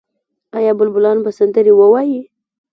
آیا بلبلان به سندرې ووايي؟